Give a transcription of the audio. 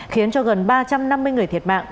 khiến cho gần ba trăm năm mươi người thiệt mạng